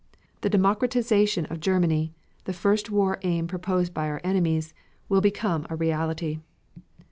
The democratization of Germany, the first war aim proposed by our enemies, will become a reality.